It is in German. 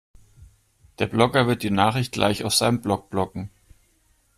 Der Blogger wird die Nachricht gleich auf seinem Blog bloggen.